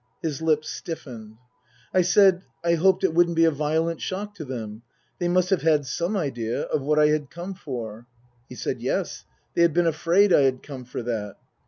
His lip stiffened. Book I : My Book 101 I said I hoped it wouldn't be a violent shock to them they must have had some idea of what I had come for. He said, Yes. They had been afraid I had come for that.